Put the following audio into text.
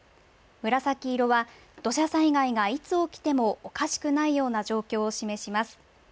紫色は、土砂災害がいつ起きてもおかしくないような状況を示します。